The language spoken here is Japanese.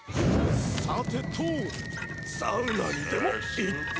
さてとサウナにでも行って。